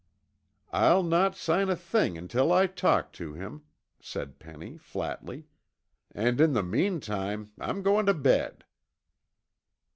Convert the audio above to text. "I'll not sign a thing until I talk to him," said Penny flatly, "and in the meantime, I'm going to bed."